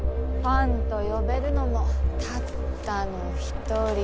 ファンと呼べるのもたったの一人。